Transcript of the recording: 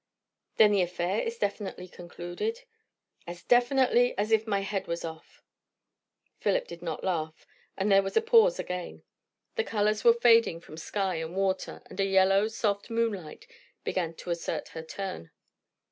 "Then the affair is definitely concluded?" "As definitely as if my head was off." Philip did not laugh, and there was a pause again. The colours were fading from sky and water, and a yellow, soft moonlight began to assert her turn.